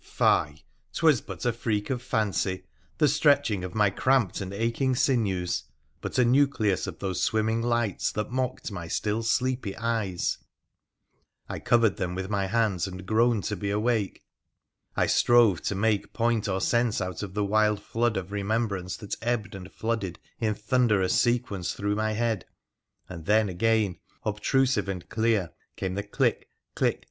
Fie ! 'twas but a freak of fancy, the stretching of my cramped and aching sinews, but a nucleus of those swimming lights that mocked my still sleepy eyes ! I covered them with my hands and groaned to be awake ; I strove to make point or sense out of the wild flood of remembrance that ebbed and flooded in thunderous sequence through my head ; and then again, obtrusive and clear, came the click ! click